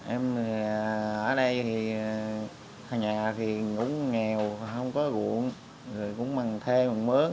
em ở đây thì ở nhà thì uống nghèo không có ruộng rồi uống măng thê uống mớ